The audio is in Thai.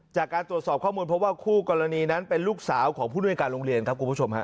จากการตรวจสอบข้อมูลพบว่าคู่กรณีนั้นเป็นลูกสาวของผู้นวยการโรงเรียนครับ